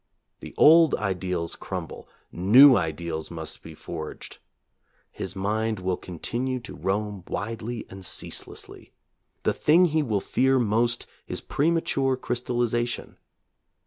The old ideals crumble ; new ideals must be forged. His mind will continue to roam widely and cease lessly. The thing he will fear most is premature crystallization.